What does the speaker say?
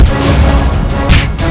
aduh nyai terima kasih